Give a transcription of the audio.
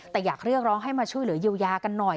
แต่อยากเรียกร้องให้มาช่วยเหลือเยียวยากันหน่อย